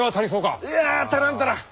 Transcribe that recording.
いや足らん足らん。